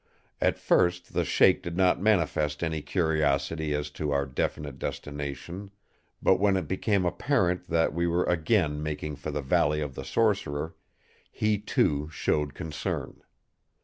At first the Sheik did not manifest any curiosity as to our definite destination; but when it became apparent that we were again making for the Valley of the Sorcerer, he too showed concern.